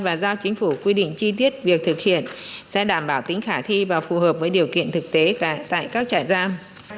và giao chính phủ quy định chi tiết việc thực hiện sẽ đảm bảo tính khả thi và phù hợp với điều kiện thực tế tại các trại giam